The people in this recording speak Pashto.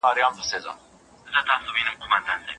ما وې زه به مرور پخلا کوم ورته ورځمه